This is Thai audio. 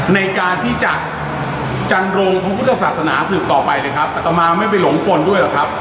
ในการที่จะจันโรงพระพุทธศาสนาสืบต่อไปนะครับอัตมาไม่ไปหลงกลด้วยหรอกครับ